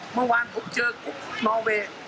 เมื่อวานผมเจอทุกทุกนอเว่